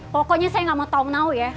pokoknya saya gak mau tau nau ya